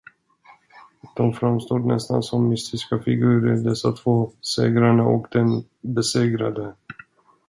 De framstod nästan som mystiska figurer, dessa två, Segraren och Den besegrade.